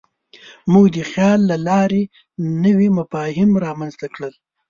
موږ د خیال له لارې نوي مفاهیم رامنځ ته کړل.